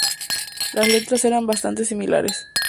Las letras eran bastante similares.